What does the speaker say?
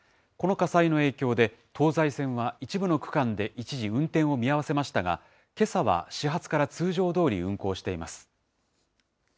この火災の影響で、東西線は一部の区間で一時運転を見合わせましたが、けさは始発から通常どおり運行しています。